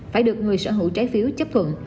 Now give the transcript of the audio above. phải được người sở hữu trái phiếu chấp thuận